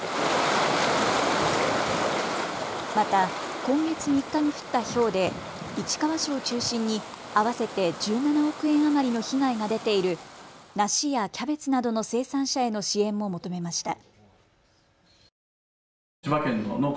また今月３日に降ったひょうで市川市を中心に合わせて１７億円余りの被害が出ている梨やキャベツなどの生産者への支援も求めました。